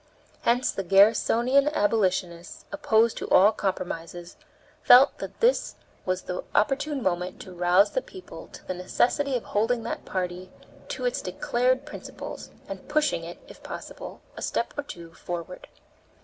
Hence the Garrisonian abolitionists, opposed to all compromises, felt that this was the opportune moment to rouse the people to the necessity of holding that party to its declared principles, and pushing it, if possible, a step or two forward.